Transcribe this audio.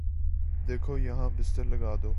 دیکھو یہاں بستر لگادو